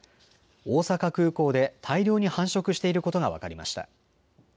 大阪空港で大量に繁殖していることが分かりました。